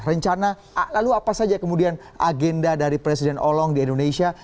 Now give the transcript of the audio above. rencana lalu apa saja kemudian agenda dari presiden hollong di indonesia